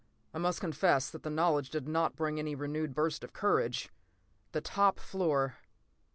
I must confess that the knowledge did not bring any renewed burst of courage! The top floor!